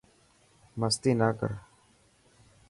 مستي نا ڪر.